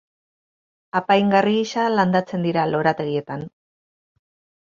Apaingarri gisa landatzen dira lorategietan.